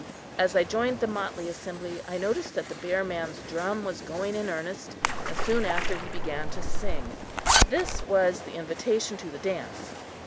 As I joined the motley assembly, I noticed that the bear man's drum was going in earnest, and soon after he began to sing. This was the invitation to the dance.